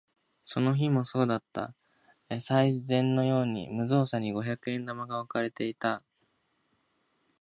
その日もそうだった。賽銭のように無造作に五百円玉が置かれていた。